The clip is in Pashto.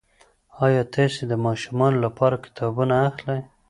ایا تاسي د ماشومانو لپاره کتابونه اخلئ؟